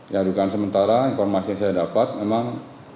ya dugaan sementara informasi yang saya dapat memang